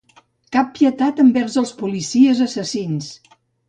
Cap pietat envers els policies assassins!